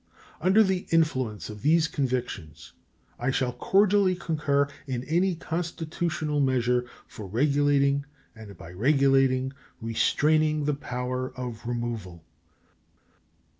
Under the influence of these convictions I shall cordially concur in any constitutional measure for regulating and, by regulating, restraining the power of removal.